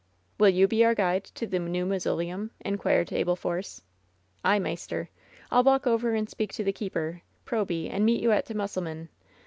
"Will you be our guide to the new mausoleum ?" in quired Abel Force. "Ay, maister. I'll walk over and speak to the keeper, Proby, and meet you at t' musselman.